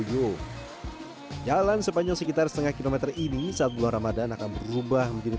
dulu jalan sepanjang sekitar setengah kilometer ini saat bulan ramadhan akan berubah menjadi